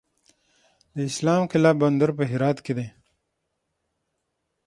د اسلام قلعه بندر په هرات کې دی